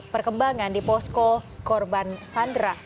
perkembangan di posko korban sandera